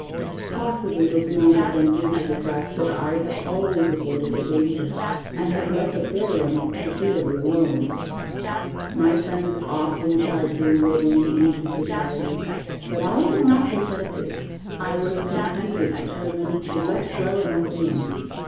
Possibly this may have been due to the fact that I had always avoided the danger, and had let the fair ones severely alone. My friends often tried to in veigle me into society, but I would not be tempted. 61 62 THE JUDGMENT OF PARIS REVERSED. I was contented, and determined to let well enough alone.